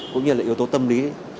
cũng như là yếu tố tâm lý